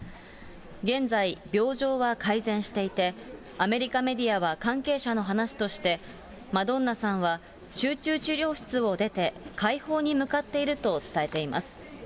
現在、病状は改善していて、アメリカメディアは関係者の話として、マドンナさんは集中治療室を出て、快方に向かっていると伝えています。